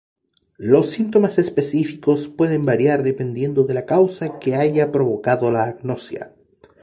Los síntomas específicos pueden variar dependiendo de la causa que haya provocado la agnosia.